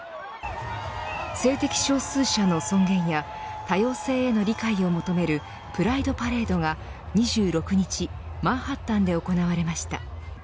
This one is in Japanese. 性的少数者の尊厳や多様性への理解を求めるプライド・パレードが２６日マンハッタンで行われました。